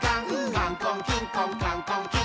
「カンコンキンコンカンコンキン！」